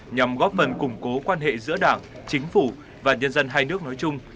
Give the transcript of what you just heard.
nhằm góp phần củng cố quan hệ giữa đảng chính phủ và nhân dân hai nước nói chung